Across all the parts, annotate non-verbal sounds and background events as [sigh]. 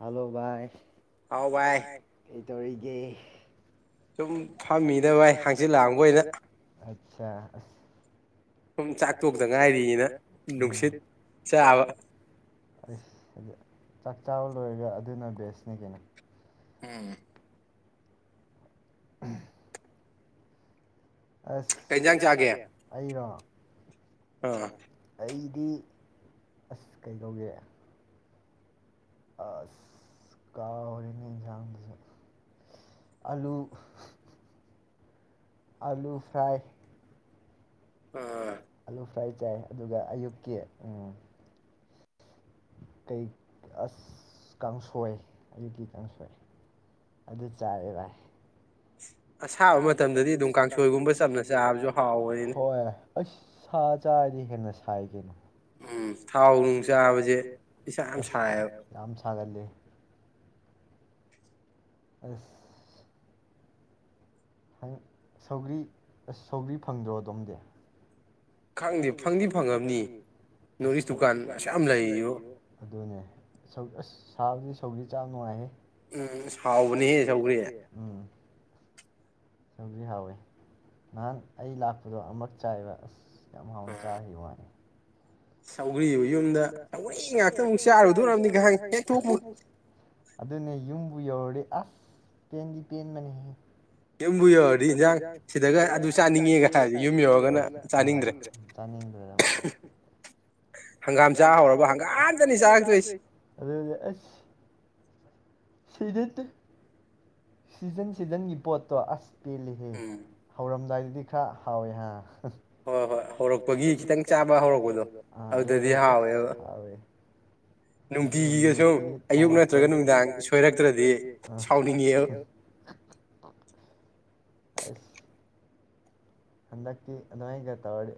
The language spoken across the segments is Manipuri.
ꯍꯜꯂꯣ ꯕꯥꯏ ꯍꯥꯎ ꯕꯥꯏ ꯀꯩꯇꯧꯔꯤꯒꯦ ꯁꯨꯝ ꯐꯝꯃꯤꯗꯕꯚꯥꯏ ꯍꯥꯡꯆꯤꯜ ꯂꯥꯡꯕ ꯑꯣꯏꯅ ꯑ ꯑꯁ ꯁꯨꯝ ꯆꯥꯛ ꯇꯣꯛꯗ ꯉꯥꯏꯔꯤꯅ ꯅꯨꯡꯁꯤꯠ ꯆꯥꯕ ꯑꯩꯁ ꯆꯥꯛ ꯆꯥꯕ ꯂꯣꯏꯔꯒ ꯑꯗꯨꯅ ꯕꯦꯁꯅꯤ ꯀꯩꯅꯣ ꯎꯝ ꯎꯝ ꯑꯁ ꯍꯩꯖꯥꯡ ꯆꯥꯒꯦ ꯑꯩꯔꯣ ꯑ ꯗꯤ ꯑꯁ ꯀꯩꯗꯧꯒꯦ ꯑ ꯀꯥꯎꯔꯦꯅꯦ ꯏꯟꯁꯥꯡꯗꯁꯨ ꯑꯂꯨ ꯑꯂꯨ ꯁꯥꯏ ꯑꯣ ꯑꯥꯂꯨ ꯐ꯭ꯔꯥꯏ ꯆꯥꯏ ꯑꯗꯨꯒ ꯑꯌꯨꯛꯀꯤ ꯀꯩ ꯑꯁ ꯀꯥꯡꯁꯣꯏ ꯑꯌꯨꯛꯀꯤ ꯀꯥꯡꯁꯣꯏ ꯑꯗꯨ ꯆꯥꯏꯔꯦ ꯕꯥꯏ ꯑꯁꯥꯕ ꯃꯇꯝꯗꯗꯤ ꯑꯗꯨꯝ ꯀꯥꯡꯁꯣꯏꯒꯨꯝꯕ ꯆꯝꯅ ꯆꯥꯕꯁꯨ ꯍꯥꯎꯋꯅꯤꯗ ꯑꯩꯁ ꯁꯥ ꯆꯔꯗꯤ ꯍꯦꯟꯅ ꯁꯥꯏ ꯀꯩꯅꯣ ꯊꯥꯎ ꯅꯨꯡ ꯆꯥꯕꯁꯦ ꯌꯥꯝ ꯁꯒꯥꯂꯦ ꯑ ꯪ ꯁꯧꯒ꯭ꯔꯤ ꯑꯁ ꯁꯧꯒ꯭ꯔꯤ ꯐꯪꯕꯔꯣ ꯑꯗꯣꯝꯗꯤ ꯈꯪꯗꯦ ꯐꯪꯗꯤ ꯐꯪꯉꯕꯅꯤ ꯗꯨꯀꯥꯟ ꯑꯁꯨ ꯌꯥꯝ ꯂꯩꯔꯤ ꯑꯗꯨꯅꯦ ꯑꯁ ꯁꯥꯕꯨꯗꯤ ꯁꯧꯒꯤ ꯆ ꯅꯨꯡꯉꯥꯏꯍꯦ ꯎꯝ ꯁꯥꯎꯕꯅꯤꯍꯦ ꯁꯧꯈ꯭ꯔꯤ ꯁꯪꯖꯤ ꯍꯥꯎꯋꯤ ꯅꯍꯥꯟ ꯑꯩ ꯂꯥꯛꯄꯗꯣ ꯑꯃꯨꯛ ꯆꯥꯏꯕ ꯑꯁ ꯌꯥꯝ ꯍꯥꯑꯣꯟ ꯆꯒꯤꯕ ꯋꯥꯅꯤ ꯁꯧꯒ꯭ꯔꯤꯕꯨ ꯌꯨꯝꯗ ꯁꯧꯒ꯭ꯔꯤ ꯉꯥꯛꯇ ꯑꯃꯨꯛ ꯆꯥꯔꯨꯗꯣꯔꯕꯅꯤ ꯍꯦꯛ ꯊꯣꯛꯄꯒ ꯑꯗꯨꯅꯦ ꯌꯨꯝꯕꯨ ꯌꯧꯔꯗꯤ ꯑꯁ ꯄꯦꯟꯗꯤ ꯄꯦꯟꯕꯅꯦ ꯌꯨꯝꯕꯨ ꯌꯧꯔꯗꯤ ꯏꯟꯖꯥꯡ ꯁꯤꯗꯒ ꯑꯗꯨ ꯆꯥꯅꯤꯡꯉꯦꯒ ꯍꯥꯏꯕꯁꯦ ꯌꯨꯝ ꯌꯧꯔꯒꯅ ꯆꯥꯅꯤꯡꯗ꯭ꯔꯦ ꯍꯪꯒꯥꯝ ꯆꯥ ꯍꯧꯔꯕ ꯍꯪꯒꯥꯝꯗꯅꯤ ꯆꯥꯔꯛꯇꯣꯏꯁꯦ ꯑꯗꯨꯅꯤ ꯑꯁ ꯁꯤꯔꯤ [inaudible] [unintelligible] ꯁꯤꯖꯟ ꯁꯤꯖꯟꯒꯤ ꯄꯣꯠꯇꯣ ꯑꯁ ꯄꯦꯜꯂꯤꯍ ꯍꯧꯔꯝꯗꯥꯏ ꯈꯥ ꯍꯥꯎꯋꯦꯍꯥ ꯍꯣꯏ ꯍꯣꯏ ꯍꯧꯔꯛꯄꯒꯤ ꯈꯤꯇꯪ ꯆꯥꯕ ꯍꯧꯔꯛꯄꯗꯣ ꯍꯥꯎꯋꯦ [unintelligible] ꯑꯌꯨꯛ ꯅꯠꯇ꯭ꯔꯒ ꯅꯨꯡꯗꯥꯡ ꯁꯣꯏꯔꯛꯇ꯭ꯔꯗꯤ ꯍꯥꯎꯅꯤꯡ ꯑꯁ ꯍꯟꯗꯛꯀꯤ ꯑꯗꯥꯏꯅꯒ ꯇꯧꯔꯗꯤ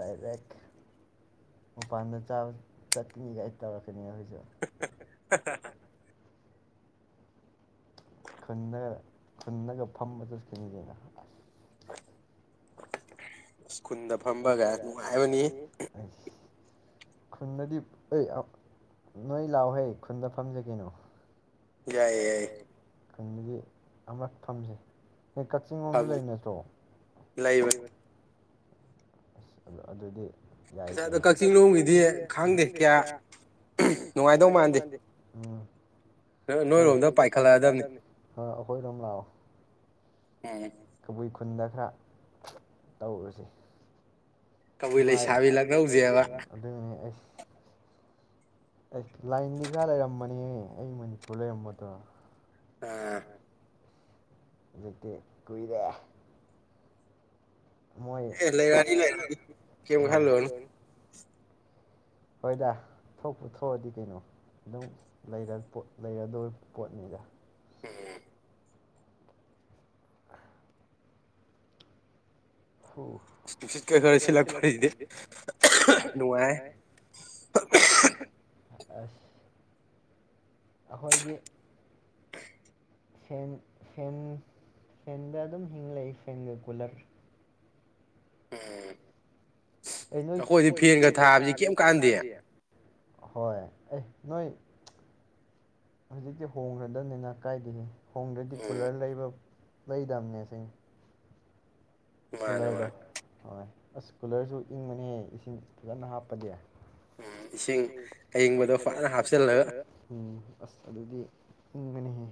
ꯗꯥꯏꯔꯦꯛ ꯃꯄꯥꯟꯗ ꯆꯥꯕ ꯆꯠꯀꯅꯤ ꯀꯥꯏ ꯇꯧꯔꯛꯀꯅꯤ ꯍꯧꯖꯤꯛ [unintelligible] [inaudible] [unintelligible] ꯈꯨꯟꯗ ꯐꯝꯕꯒ ꯅꯨꯡꯉꯥꯏꯕꯅꯤ ꯈꯨꯟꯗꯗꯤ ꯑꯦ ꯅꯣꯏ ꯂꯥꯛꯑꯣꯍꯦ ꯈꯨꯟꯗ ꯐꯝꯖ ꯀꯩꯅꯣ ꯌꯥꯏꯌꯦ ꯌꯥꯏ ꯈꯨꯟꯗꯗꯤ ꯑꯃꯨꯛ ꯐꯝꯁꯤ ꯀꯛꯆꯤꯡ ꯂꯣꯝꯗ ꯂꯩ ꯅꯠꯇ꯭ꯔꯣ ꯂꯩꯕꯅꯦ ꯑꯁ ꯑ ꯑꯗꯨꯗꯤ ꯌꯥ ꯑ ꯀꯛꯆꯤꯡꯂꯣꯝꯒꯤꯗꯤ ꯈꯪꯗꯦ ꯀꯌꯥ ꯅꯨꯡꯉꯥꯏꯗꯧ ꯃꯥꯟꯗꯦ ꯑꯩꯈꯣꯏꯔꯣꯝꯗ ꯄꯥꯏꯈꯠꯂꯛꯑꯗꯝꯅꯤ ꯑꯩꯈꯣꯂꯣꯝ ꯂꯥꯛꯑꯣ ꯈꯨꯟꯗ ꯈꯔ ꯇꯧꯔꯨ [unintelligible] ꯅꯨꯡꯉꯥꯏ [inaudible] ꯑꯩꯁ ꯂꯥꯏꯟꯗꯤ ꯈꯔ ꯂꯩꯔꯝꯕꯅꯦ ꯑꯩ ꯃꯅꯤꯄꯨꯔ ꯂꯩꯔꯝꯕꯗꯣ ꯑꯥ ꯀꯨꯏꯔꯦ [inaudible] ꯍꯣꯏꯗ ꯊꯣꯛꯄꯨ ꯊꯣꯛꯑꯗꯤ ꯀꯩꯅꯣ ꯑꯗꯨꯝ ꯂꯩꯔ ꯂꯩꯔꯗꯧꯕ ꯄꯣꯠꯅꯤꯗ ꯑꯦ [inaudible] ꯑꯁ ꯑꯩꯈꯣꯏꯒꯤ ꯐꯦꯟ ꯐꯦꯟ ꯐꯦꯟꯗ ꯑꯗꯨꯝ ꯍꯤꯡ ꯂꯩ ꯐꯦꯟꯒ ꯀꯨꯂꯔ ꯑꯣꯝ ꯑꯩ ꯅꯣꯏ ꯀꯣꯏꯗꯤ ꯐꯦꯟꯒ ꯊꯥꯕꯁꯤ ꯀꯔꯤꯝ ꯀꯥꯟꯅꯗꯦ ꯍꯣꯏ ꯑꯦ ꯅꯣꯏ ꯍꯧꯖꯤꯛꯇꯤ ꯍꯣꯡꯈ꯭ꯔꯗꯕꯅꯤꯅ ꯀꯥꯏꯗꯦ ꯍꯣꯡꯗ꯭ꯔꯗꯤ ꯀꯨꯂꯔ ꯂꯩꯕ ꯂꯩꯗꯕꯅꯦ ꯁꯤ ꯃꯥꯅꯦ ꯃꯥꯅꯦ ꯍꯣꯏ ꯑꯁ ꯀꯨꯂꯔꯁꯨ ꯏꯪꯕꯅꯦꯍꯦ ꯏꯁꯤꯡ ꯐꯖꯅ ꯍꯥꯞꯄꯗꯤ ꯏꯁꯤꯡ ꯑꯌꯤꯡꯕꯗꯣ ꯐꯅ ꯍꯥꯞꯆꯤꯜꯂꯒ ꯑꯁ ꯑꯗꯨꯗꯤ ꯏꯪꯕꯅꯦꯍꯦ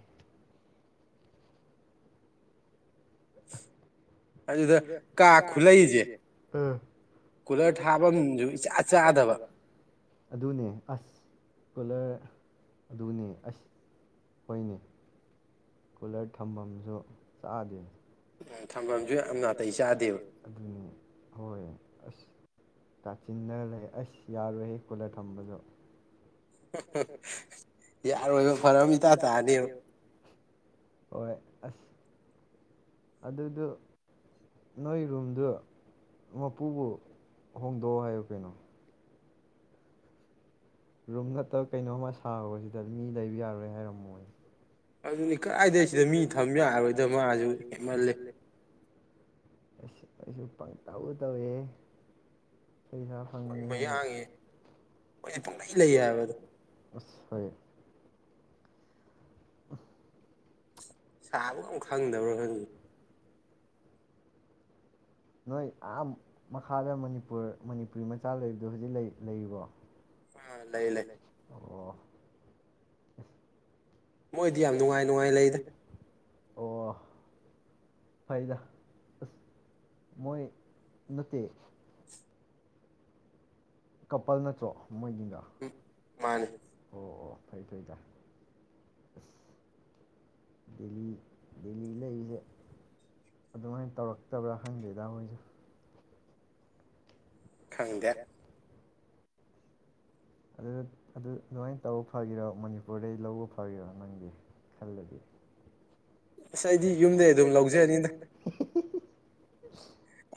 ꯑꯗꯨꯗ ꯀꯥ ꯈꯨꯂꯩꯁꯦ ꯎꯝ ꯀꯨꯂꯔ ꯊꯥꯐꯝꯁꯨ ꯏꯆꯥ ꯆꯥꯗꯕ ꯑꯗꯨꯅꯦ ꯑꯁ ꯀꯨꯂꯔ ꯑꯗꯨꯅꯦ ꯑꯁ ꯍꯣꯏꯅꯦ ꯀꯨꯂꯔ ꯊꯝꯐꯝꯁꯨ ꯆꯥꯗꯦ ꯊꯝꯐꯝꯁꯨ ꯌꯥꯝ ꯅꯥꯇꯩꯩ ꯆꯥꯗꯦꯕ ꯑꯗꯨꯅꯦ ꯍꯣꯏ ꯑꯁ ꯀꯥꯆꯤꯟꯅ ꯂꯩ ꯑꯁ ꯌꯥꯔꯣꯏꯍꯦ ꯀꯨꯂꯔ ꯊꯝꯕꯗꯣ ꯌꯥꯔꯣꯏꯕ ꯐꯔꯛ ꯏꯇꯥ ꯇꯥꯅꯦꯕ ꯍꯣꯏ ꯑꯁ ꯑꯗꯨꯗꯨ ꯅꯣꯏ ꯔꯨꯝꯗꯨ ꯃꯄꯨꯕꯨ ꯍꯣꯡꯗꯣꯛꯑꯣ ꯍꯥꯏꯌꯨ ꯀꯩꯅꯣ ꯔꯨꯝ ꯅꯠꯇꯕ ꯀꯩꯅꯣꯝꯃ ꯁꯥꯎ ꯁꯤꯗ ꯃꯤ ꯂꯩꯕ ꯌꯥꯔꯣꯏ ꯍꯥꯏꯔꯝꯃꯣ ꯑꯗꯨꯅꯤ ꯀꯥꯏꯗꯩ ꯁꯤꯗ ꯃꯤ ꯊꯝꯕ ꯌꯥꯔꯣꯏꯗꯕ ꯃꯥꯁꯨ ꯍꯦꯃꯜꯜꯂꯤ ꯑꯁ ꯑꯩꯁꯨ ꯄꯪꯇꯧ ꯇꯧꯋꯦ ꯄꯩꯁꯥ ꯐꯪꯅꯤ ꯍꯥꯏꯗꯤ ꯄꯪꯂꯩ ꯂꯩ ꯍꯥꯏꯥꯕꯗꯣ ꯑꯁ ꯍꯣꯏ ꯁꯥꯕꯒ ꯑꯝ ꯈꯪꯗꯕ꯭ꯔꯥ ꯈꯪꯗꯦ ꯅꯣꯏ ꯌꯥꯝ ꯃꯈꯥꯗ ꯃꯅꯤꯄꯨꯔ ꯃꯅꯤꯄꯨꯔꯤ ꯃꯆꯥ ꯂꯩꯕꯗꯣ ꯍꯧꯖꯤꯛ ꯂꯩꯔꯤꯕꯣ ꯂꯩ ꯂꯩ ꯃꯣꯏꯗꯤ ꯌꯥꯝ ꯅꯨꯡꯉꯥꯏ ꯅꯨꯡꯉꯥꯏ ꯂꯩꯗ ꯑꯣ ꯐꯩꯗ ꯑꯁ ꯃꯣꯏ ꯅꯠꯇꯦ ꯀꯄꯜ ꯅꯠꯇ꯭ꯔꯣ ꯃꯣꯏ ꯅꯤꯗꯣ ꯃꯅꯤ ꯑꯣ ꯑꯣ ꯐꯩ ꯐꯩꯗ ꯑꯁ ꯗꯦꯜꯂꯤ ꯗꯦꯜꯂꯤ ꯂꯩꯕꯁꯦ ꯑꯗꯨꯃꯥꯏꯅ ꯇꯧꯔꯛꯇꯕ꯭ꯔꯥ ꯈꯪꯗꯦꯗ ꯃꯣꯏꯁꯨ ꯈꯪꯗꯦ ꯑꯗꯨ ꯑꯗꯨ ꯑꯗꯨꯃꯥꯏꯅ ꯇꯧꯕ ꯐꯒꯤꯔꯣ ꯃꯅꯤꯄꯨꯔꯗꯩ ꯂꯧꯕ ꯐꯒꯦꯔꯣ ꯅꯪꯗꯤ ꯈꯜꯂꯗꯤ ꯑꯁ ꯑꯩꯗꯤ ꯌꯨꯝꯗꯒꯤ ꯑꯗꯨꯝ ꯂꯧꯖꯔꯅꯤꯗ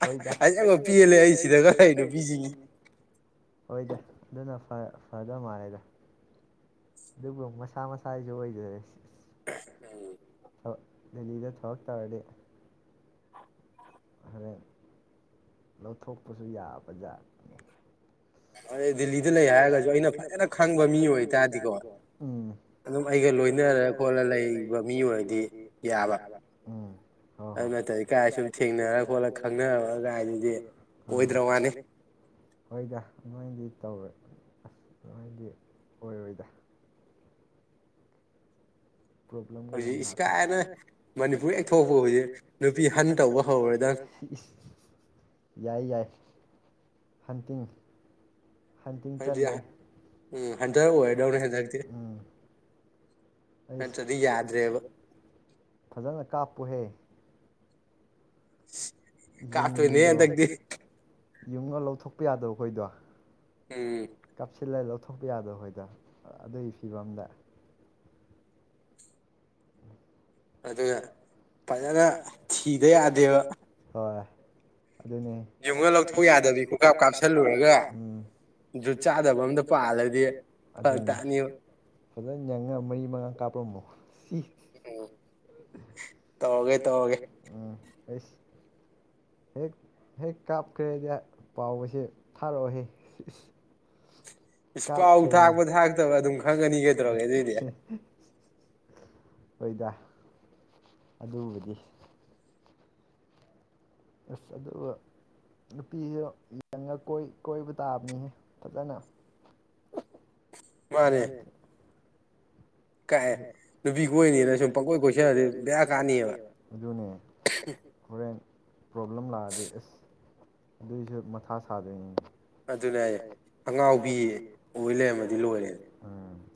ꯍꯣꯏꯗ ꯑꯁꯦꯡꯕ ꯄꯦꯜꯂꯦ ꯑꯩ ꯁꯤꯗꯒ ꯂꯩꯔꯤ ꯅꯨꯄꯤꯁꯤꯡꯁꯦ ꯑꯣꯏꯗꯦ ꯑꯗꯨꯅ ꯐꯗꯕ ꯃꯥꯜꯂꯗ ꯑꯗꯨꯕꯨ ꯃꯁꯥ ꯃꯁꯥꯁꯨ ꯑꯣꯏꯗꯔꯦ ꯎꯝ ꯗꯦꯜꯂꯤꯗ ꯊꯕꯛ ꯇꯧꯔꯗꯤ ꯍꯌꯦꯡ ꯂꯧꯊꯣꯛꯄꯁꯨ ꯌꯥꯕꯖꯥꯠꯅꯤ ꯑꯗ ꯗꯗꯤꯜꯂꯤꯗ ꯂꯩ ꯍꯥꯏꯔꯒꯁꯨ ꯑꯩꯅ ꯐꯖꯅ ꯈꯪꯕ ꯃꯤ ꯑꯣꯏꯇꯥꯔꯗꯤꯀꯣ ꯑꯗꯨꯝ ꯑꯩꯒ ꯂꯣꯏꯅꯔ ꯈꯣꯠꯂ ꯂꯩꯕ ꯃꯤ ꯑꯣꯏꯔꯗꯤ ꯌꯥꯕ ꯍꯣꯢ ꯍꯣꯏ ꯑꯩ ꯅꯠꯇ꯭ꯔꯗꯤ ꯀꯥꯏ ꯁꯨꯝ ꯊꯦꯡꯅꯔ ꯈꯣꯠꯂ ꯈꯪꯅꯔꯒ ꯍꯥꯏꯗꯨꯗꯤ ꯑꯣꯏꯗꯔꯥ ꯋꯥꯅꯤ [inaudible] ꯇꯧꯔꯣꯏ ꯑꯁ ꯑꯗꯨꯃꯥꯏꯗꯤ ꯑꯣꯏꯔꯣꯏꯗ ꯄ꯭ꯔꯣꯕꯂꯦꯝ [inaudible] ꯀꯥꯏꯗꯩꯩꯏꯅꯣ ꯃꯅꯤꯄꯨꯔ ꯍꯦꯛ ꯊꯣꯛꯄ ꯍꯧꯖꯤꯛ ꯅꯨꯄꯤ ꯍꯟ ꯇꯧꯕ ꯍꯧꯔ꯭ꯗꯣꯏꯅꯦ ꯌꯥꯏ ꯌꯥꯏ ꯍꯟꯇꯤꯡ ꯍꯟꯇꯤꯡ ꯆꯜꯂꯦ ꯎꯝ ꯍꯨꯟꯇꯤꯔ ꯑꯣꯏꯔꯗꯣꯏꯅꯦ ꯍꯟꯗꯛꯇꯤ ꯑꯩ ꯁꯠꯇꯗꯤ ꯌꯥꯗ꯭ꯔꯦꯕ ꯐꯖꯅ ꯀꯥꯞꯄꯨꯍꯦ ꯀꯥꯞꯇꯣꯏꯅꯤꯍꯦ ꯍꯟꯗꯥꯛꯇꯤ ꯌꯨꯛꯉꯥꯒꯥ ꯂꯧꯊꯣꯛꯄ ꯌꯥꯗꯕ ꯑꯩꯈꯣꯏꯗꯣ ꯀꯥꯞꯁꯤꯜꯂꯦ ꯑꯗꯨꯝ [inaudible] [inaudible] ꯑꯗꯨꯒꯤ ꯐꯤꯕꯝꯗ ꯑꯗꯨ ꯐꯖꯅ ꯊꯤꯗ ꯌꯥꯗꯦꯕ ꯑꯗꯨꯅꯦ ꯌꯨꯡꯉꯥꯒꯥ ꯂꯧꯊꯣꯛ ꯌꯥꯗꯕꯤ ꯈꯨꯍꯞ ꯀꯥꯞꯁꯤꯜꯂꯨꯔꯒ ꯖꯨꯠ ꯆꯥꯗꯕ ꯑꯝꯇ ꯄꯥꯜꯂꯗꯤꯅꯤ ꯐꯖꯅ ꯌꯦꯡꯉꯒ ꯃꯔꯤ ꯃꯉꯥ ꯀꯥꯞꯄꯔꯝꯃꯣ ꯁꯤ ꯑꯣ ꯇꯧꯒꯦ ꯇꯧꯒꯦ ꯑꯥ ꯑꯁ ꯍꯦꯛ ꯍꯦꯛ ꯀꯞꯀꯦꯅ ꯄꯥꯎꯒꯥꯁꯦ ꯊꯥꯔꯛꯑꯣ ꯍꯦ [inaudible] [inaudible] ꯑꯗꯨꯝ ꯈꯪꯒꯅꯤ ꯀꯩꯗꯧꯔꯥꯒꯦ ꯍꯣꯏꯗꯥ ꯑꯗꯨꯒꯤ ꯑꯁ ꯑꯗꯨꯒ ꯅꯨꯄꯤꯁꯨ ꯌꯦꯡꯉ ꯀꯣꯏꯕ ꯇꯥꯕꯅꯤꯍꯦ ꯐꯖꯅ ꯃꯥꯅꯦ [inaudible] ꯅꯨꯄꯤ ꯀꯣꯏꯅꯤꯅ ꯁꯨꯝ ꯄꯨꯡꯀꯣꯏ ꯀꯣꯏꯁꯤꯜꯂꯗꯤ ꯕꯦꯔꯥ ꯀꯥꯅꯦꯕꯥ ꯑꯗꯨꯅꯦ ꯍꯣꯔꯦꯟ ꯄ꯭ꯔꯣꯕ꯭ꯂꯦꯝ ꯂꯥꯛꯑꯗꯤ ꯑꯁ ꯑꯗꯨꯏꯁꯨ ꯃꯊꯥ ꯁꯥꯗꯣꯏꯅꯤ ꯑꯗꯨꯅꯦ ꯍꯥꯏꯁꯦ ꯑꯉꯥꯎꯕꯤ ꯑꯣꯏ ꯂꯩꯔꯝꯃꯗꯤ ꯂꯣꯏꯔꯦ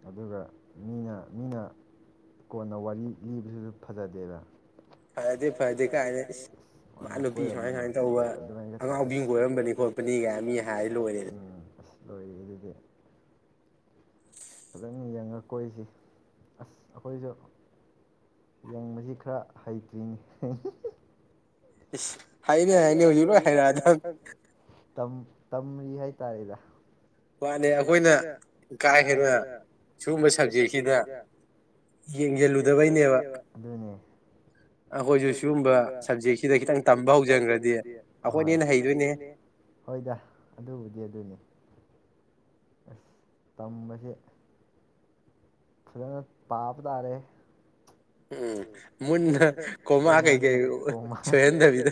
ꯑꯗꯨꯒ ꯃꯤꯅ ꯃꯤꯅ ꯀꯣꯟꯅ ꯋꯥꯔꯤ ꯂꯤꯕꯁꯨ ꯐꯖꯗꯦꯗꯅꯥ ꯐꯖꯗꯦ ꯐꯖꯗꯦ ꯃꯅꯥ ꯀꯣꯏꯔꯝꯕꯅꯤ ꯈꯣꯠꯄꯅꯤ ꯍꯥꯏ [inaudible] ꯂꯣꯏ ꯂꯣꯏ ꯑꯗꯨꯗꯤ ꯍꯣꯏꯅꯦ ꯑꯁ ꯑꯩꯈꯣꯏꯁꯨ ꯌꯦꯡꯕꯁꯤ ꯈꯔ ꯍꯩꯇꯔꯤꯅꯦ ꯏꯁ ꯍꯩꯅꯤ ꯍꯩꯅꯤ ꯂꯣꯏ ꯍꯩꯔꯥꯛꯑꯗꯣꯏꯅꯦ ꯇꯝꯔꯤ ꯍꯥꯏꯇꯥꯔꯦ ꯏꯇꯥꯎ ꯃꯥꯟꯅꯦ ꯑꯩꯈꯣꯏꯅ ꯀꯥꯍꯦꯟꯅꯁꯤꯒꯨꯝꯕ ꯁꯞꯖꯦꯛꯁꯤꯗ ꯌꯦꯡꯖꯟꯂꯨꯗꯕꯩꯅꯩꯕ ꯑꯩꯈꯣꯏꯁꯨ ꯁꯤꯒꯨꯝꯕ ꯁꯞꯖꯦꯛꯁꯤꯗ ꯈꯤꯇꯪ ꯇꯝꯕ ꯍꯧ꯫ ꯍꯧꯖꯟꯈ꯭ꯔꯥꯗꯤ ꯑꯩꯈꯣꯏꯅ ꯍꯦꯟꯅ ꯍꯩꯗꯣꯏꯅꯤ ꯍꯣꯏꯗ ꯑꯗꯨꯕꯨꯗꯤ ꯑꯗꯨꯅꯤ꯫ ꯑꯁ ꯇꯝꯕꯁꯦ꯫ ꯈ꯭ꯔꯥ ꯄꯥꯕ ꯇꯥꯔꯦ ꯍꯩ꯫ ꯎꯝ ꯃꯨꯟꯅ ꯀꯣꯃꯥ ꯀꯩꯀꯩ ꯁꯣꯏꯍꯟꯗꯕꯤꯗ꯫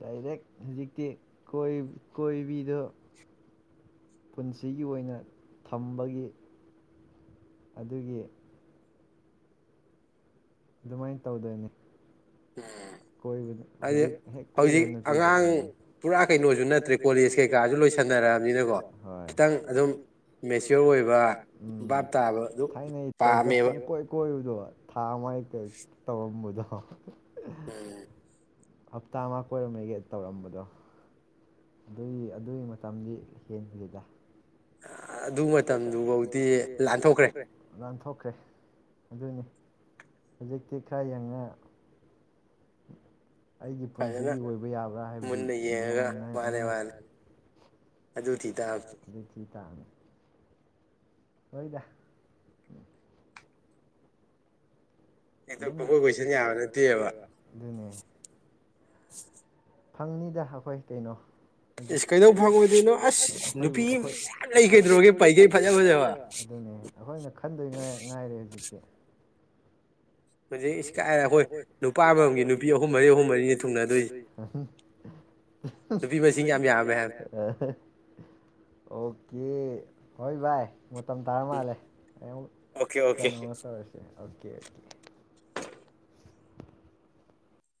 ꯗꯥꯏꯔꯦꯛ ꯍꯧꯖꯤꯛꯇꯤ ꯀꯣꯏ ꯀꯣꯏꯕꯤꯗꯣ꯫ ꯄꯨꯟꯁꯤꯒꯤ ꯑꯣꯏꯅ ꯊꯝꯕꯒꯤ꯫ ꯑꯗꯨꯒꯤ꯫ ꯑꯗꯨꯃꯥꯏ ꯇꯧꯗꯣꯏꯅꯦ꯫ ꯀꯣꯏꯕꯗꯨ‌ ꯍꯥꯏꯗꯤ [unintelligible] ꯍꯧꯖꯤꯛ ꯑꯉꯥꯡ ꯄꯨꯔꯥ ꯀꯩꯅꯣꯖꯨ ꯅꯠꯇ꯭ꯔꯦ ꯀꯣꯂꯦꯖ ꯀꯩꯀꯥꯖꯨ ꯂꯣꯏꯁꯟꯅꯔꯛꯑꯕꯅꯤꯅ ꯀꯣ [unintelligible] ꯈꯤꯇꯪ ꯑꯗꯨꯝ ꯃꯦꯆ꯭ꯋꯣꯔ ꯑꯣꯏꯕ ꯑꯨꯝ ꯚꯞꯇꯥꯕꯗꯨ ꯊꯥꯏꯅꯩ ꯇꯥꯏꯞꯇ [unintelligible] ꯄꯪꯀꯣꯏ ꯀꯣꯏꯕ꯫ ꯖꯨꯋꯥꯔ꯫ [inaudible] ꯉꯥꯍꯥꯟꯋꯥꯏ ꯀꯩ ꯇꯧꯔꯝꯕꯗꯣ꯫ ꯍꯥ ꯍꯥ꯫ ꯑꯦ꯫ ꯍꯞꯇꯥ ꯑꯃ ꯀꯣꯏꯔꯝꯃꯦꯌꯦ ꯇꯧꯔꯝꯕꯗꯣ꯫ ꯑꯗꯨꯒꯤ ꯑꯗꯨꯒꯤ ꯃꯇꯝꯗꯤ ꯍꯦꯟꯗ꯭ꯔꯤꯗ꯫ ꯑꯗꯨ ꯃꯇꯝꯗꯨ ꯐꯥꯎꯗꯤ ꯂꯥꯟꯊꯣꯛꯈ꯭ꯔꯦ ꯂꯥꯟꯊꯣꯛ꯫ ꯈ꯭ꯔꯦ ꯑꯗꯨꯅꯤ ꯍꯧꯖꯤꯛꯇꯤ ꯈ꯭ꯔꯥ ꯌꯦꯡꯉꯦ꯫ ꯑꯩꯒꯤ ꯄꯨꯟꯁꯤꯒꯤ ꯑꯣꯏꯕ ꯌꯥꯕ꯭ꯔꯥ ꯍꯥꯏꯕꯗꯤ ꯌꯦꯡꯉꯥꯅꯤ꯫ [unintelligible] ꯇꯥꯟ꯫ ꯍꯣꯏꯗ꯫ [unintelligible] ꯄꯪꯀꯣꯏ ꯀꯣꯏꯁꯟ ꯌꯥꯕ ꯅꯠꯇꯦꯕ ꯑꯗꯨꯅꯦ꯫ ꯐꯪꯅꯤꯗ ꯑꯩꯈꯣꯏ ꯀꯩꯅꯣ꯫ ꯐꯖꯥ ꯏꯁ ꯀꯩꯗꯧ ꯐꯪꯉꯣꯏꯗꯣꯏꯅꯣ ꯑꯁ ꯑꯩꯈꯣꯏꯕꯨ ꯑꯈꯣꯏ ꯅꯨꯄꯤꯗꯤ ꯌꯥꯝ ꯂꯩ ꯀꯩꯗꯧꯔꯒꯦ ꯄꯩꯒꯩ ꯐꯖꯥ ꯐꯖꯥꯕ ꯑꯗꯨꯅꯦ ꯑꯩꯈꯣꯏꯅ‌ ꯈꯟꯗꯣꯏꯅꯦ ꯉꯥꯏꯔꯦ ꯍꯧꯖꯤꯛꯇꯤ꯫ ꯍꯧꯖꯤꯛ ꯏꯁ ꯀꯥꯏꯗꯩ ꯑꯩꯈꯣꯏ ꯅꯨꯄꯥ ꯑꯃꯃꯝꯒꯤ ꯅꯨꯄꯤ ꯑꯍꯨꯝ ꯃꯔꯤ ꯑꯍꯨꯝ ꯃꯔꯤꯅꯤ ꯊꯨꯡꯅꯗꯣꯏꯖꯦ [unintelligible] ꯅꯨꯄꯤ ꯃꯥꯁꯤꯡ ꯌꯥꯝ ꯌꯥꯝꯃꯦ ꯍꯥꯏꯃꯤ [unintelligible] ꯑꯣꯀꯦ꯫ ꯍꯣꯏ ꯚꯥꯏ ꯃꯇꯝ ꯇꯥꯔ ꯃꯥꯜꯂꯦ꯫ ꯑꯃꯨꯛ ꯑꯣꯀꯦ ꯑꯣꯀꯦ ꯀꯥꯏꯅꯅꯕ ꯇꯧꯔꯁꯦ꯫ Okay okay.